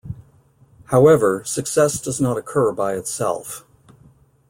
However, success does not occur by itself.